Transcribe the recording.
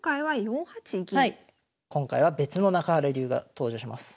今回は別の中原流が登場します。